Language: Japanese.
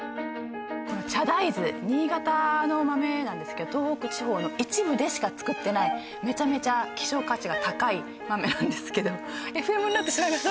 この茶大豆新潟の豆なんですけど東北地方の一部でしか作ってないメチャメチャ希少価値が高い豆なんですけどＦＭになってしまいます